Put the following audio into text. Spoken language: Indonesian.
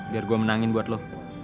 biar gue menangin buat lo